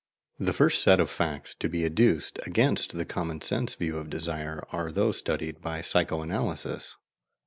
The first set of facts to be adduced against the common sense view of desire are those studied by psycho analysis.